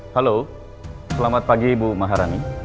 halo selamat pagi ibu maharani